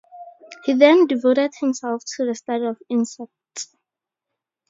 He then devoted himself to the study of insects.